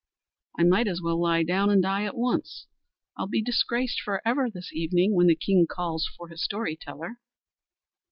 I might as well lie down and die at once. I'll be disgraced for ever this evening, when the king calls for his story teller."